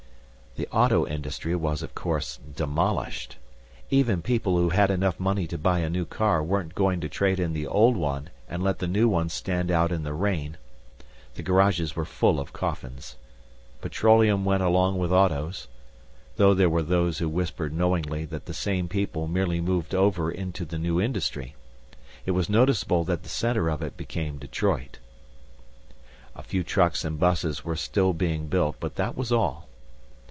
The auto industry was of course demolished. Even people who had enough money to buy a new car weren't going to trade in the old one and let the new one stand out in the rain. The garages were full of coffins. Petroleum went along with Autos. (Though there were those who whispered knowingly that the same people merely moved over into the new industry. It was noticeable that the center of it became Detroit.) A few trucks and buses were still being built, but that was all.